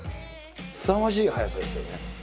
すさまじい速さですよね。